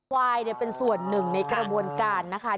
ควายเป็นส่วนหนึ่งในกระบวนการนะคะ